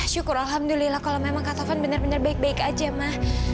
syukur alhamdulillah kalau memang kata tuhan benar benar baik baik saja ma